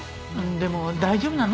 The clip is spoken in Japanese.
でも大丈夫なの？